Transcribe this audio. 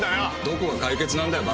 どこが解決なんだよ